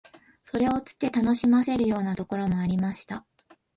それを釣って楽しませるようなところもありました